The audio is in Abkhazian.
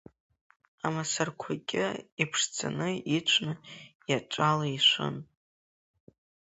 Амасарқәагьы иԥшӡаны ицәны иаҵәала ишәын.